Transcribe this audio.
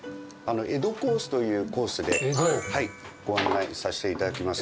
江戸コースというコースでご案内させていただきます。